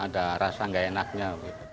ada rasa nggak enaknya